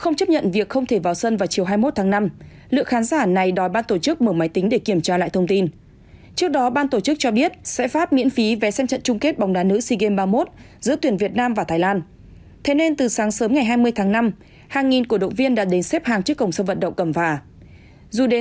ghi nhận vào tối hai mươi tháng năm khu vực xếp hàng lấy vé đã có rất đông người cố thủ